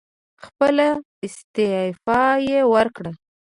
خپله استعفی یې ورکړه.